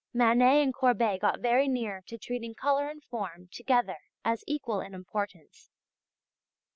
Manet and Courbet got very near to treating colour and form together as equal in importance.